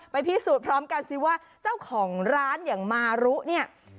พิสูจน์พร้อมกันสิว่าเจ้าของร้านอย่างมารุเนี่ย